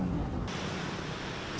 selain smartride ada juga nujek